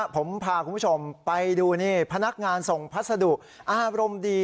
ผมพาคุณผู้ชมไปดูนี่พนักงานส่งพัสดุอารมณ์ดี